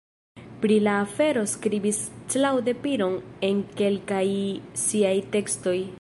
Pri la afero skribis Claude Piron en kelkaj siaj tekstoj.